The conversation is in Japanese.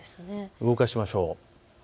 動かしましょう。